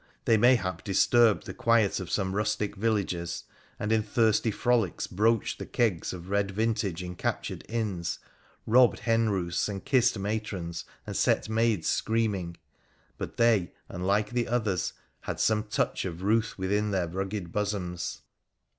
They mayhap disturbed the quiet of some rustic villages, and in thirsty frolics broached the kegs of red vintage in captured inns, robbed hen roosts, and kissed matrons and set maids screaming, but they, unlike the others, had some touch of ruth within their rugged bosoms.